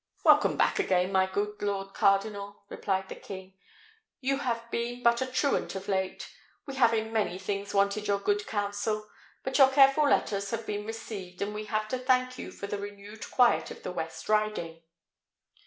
"Welcome back again, my good lord cardinal," replied the king; "you have been but a truant of late. We have in many things wanted your good counsel. But your careful letters have been received, and we have to thank you for the renewed quiet of the West Riding."